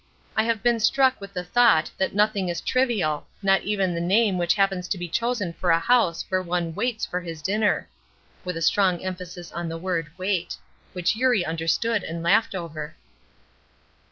I have been struck with the thought that nothing is trivial, not even the name that happens to be chosen for a house where one waits for his dinner," with a strong emphasis on the word "wait," which Eurie understood and laughed over.